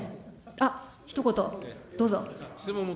あっ、ひと言、どうぞ。